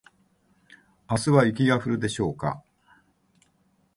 明日は雪が降るのでしょうか